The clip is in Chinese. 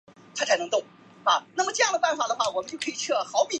该步枪还配备了接口系统以安装光学瞄准镜和空包弹助退器。